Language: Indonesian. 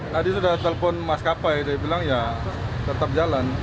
tadi sudah telpon maskapai dia bilang ya tetap jalan